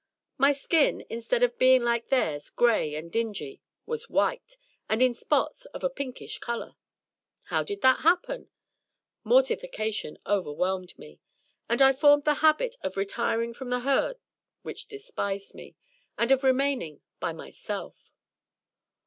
My skin instead of being like theirs, gray and dingy, was white, and in spots of a pinkish colour. How did that happen? Morti fication overwhelmed me. And I formed the habit of retiring from the Herd which despised me, and of remaining by myself.